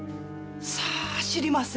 さあ知りません。